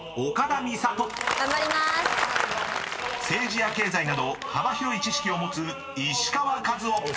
［政治や経済など幅広い知識を持つ石川和男］